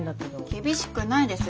厳しくないです。